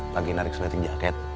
lagi narik seleting jaket